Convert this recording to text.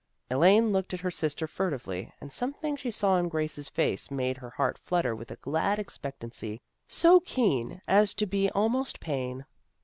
Elaine looked at her sister furtively, and something she saw in Grace's face made her heart flutter with a glad expectancy so keen as to be almost pain.